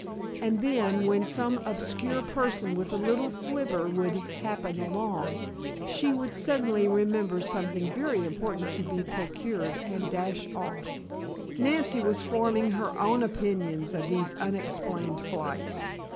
And then, when some obscure person with a little flivver would happen along, she would suddenly remember something very important to be procured, and dash off. Nancy was forming her own opinions of these unexplained flights.